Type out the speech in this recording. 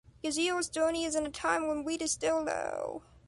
Gaziel's journey is in a time when wheat is still low.